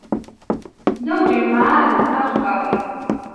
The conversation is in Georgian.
ზოგჯერ მაარი ტბას უკავია.